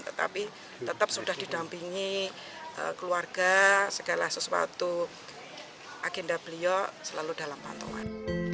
tetapi tetap sudah didampingi keluarga segala sesuatu agenda beliau selalu dalam pantauan